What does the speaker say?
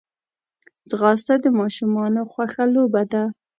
ځغاسته د ماشومانو خوښه لوبه ده